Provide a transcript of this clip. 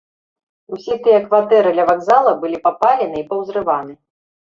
Усе тыя кватэры ля вакзала былі папалены і паўзрываны.